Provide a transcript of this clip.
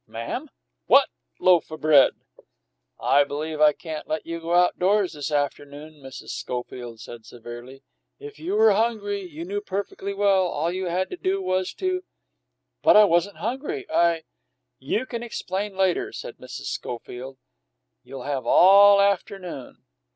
"Ma'am? What loaf o' bread?" "I believe I can't let you go outdoors this afternoon," Mrs. Schofield said severely. "If you were hungry, you know perfectly well all you had to do was to " "But I wasn't hungry; I " "You can explain later," said Mrs. Schofield. "You'll have all afternoon."